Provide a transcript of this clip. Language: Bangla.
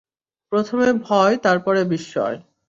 প্রথমে ভয়, তারপরে বিস্ময়।